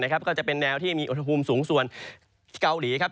ก็จะเป็นแนวที่มีอุณหภูมิสูงส่วนเกาหลีครับ